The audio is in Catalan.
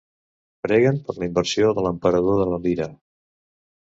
Preguen per la inversió de l'emperador de la lira.